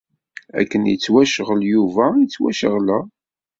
Akken yettwacɣel Yuba i ttwaceɣleɣ.